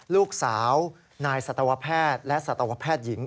ลูกสาวนายสัตวแพทย์และสัตวแพทย์หญิง